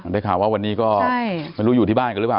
ได้ข่าวว่าวันนี้ก็ไม่รู้อยู่ที่บ้านกันหรือเปล่า